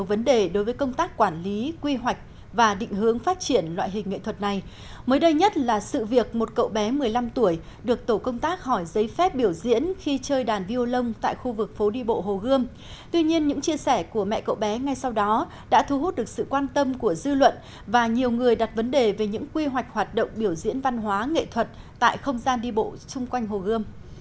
và nhiều người đặt vấn đề về những quy hoạch hoạt động biểu diễn văn hóa nghệ thuật tại không gian đi bộ xung quanh hồ gươm